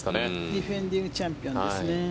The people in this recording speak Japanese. ディフェンディングチャンピオンですね。